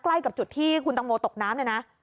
ใกล้กับจุดที่คุณตังโมตกน้ำเนี่ยนะ